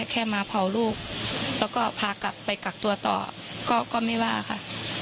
แค่มาเผาลูกแล้วก็พากลับไปกักตัวต่อก็ไม่ว่าค่ะ